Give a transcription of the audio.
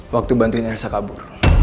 waktu bantuin elsa kabur